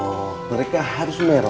oh mereka harus merot